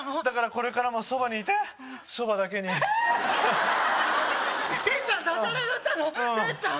だからこれからもそばにいてそばだけにえっ！